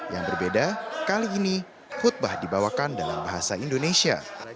yang berbeda kali ini khutbah dibawakan dalam bahasa indonesia